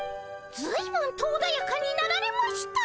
ずいぶんとおだやかになられました。